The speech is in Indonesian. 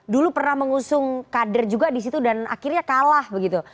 dulu pernah mengusung kader juga disitu dan akhirnya kalah begitu